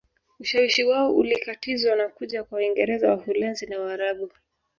Ushawishi wao ulikatizwa na kuja kwa Waingereza Waholanzi na Waarabu